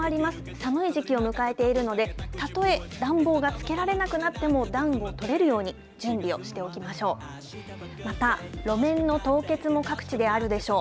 寒い時期を迎えているので、たとえ暖房がつけられなくなっても、暖をとれるように準備をしておきましょう。